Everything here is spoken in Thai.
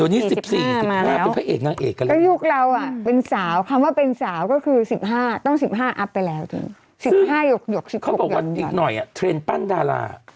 นี่มากแบบใหม่เทรนด์ปั้นดารา